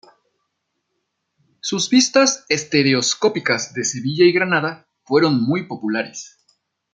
Sus vistas estereoscópicas de Sevilla y Granada fueron muy populares.